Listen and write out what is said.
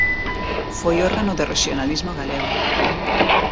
Foi órgano do rexionalismo galego.